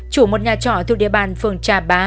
chủ một nhà trọ thuộc địa bàn phường trà bá